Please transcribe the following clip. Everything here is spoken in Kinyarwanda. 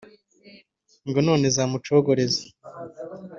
ngo none zamuncogoreza,